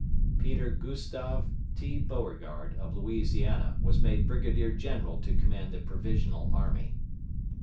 Peter Gustave T. Beauregard, of Louisiana, was made Brigadier general to command the provisional army.